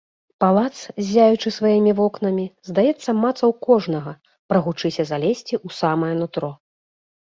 Палац, ззяючы сваімі вокнамі, здаецца, мацаў кожнага, прагучыся залезці ў самае нутро.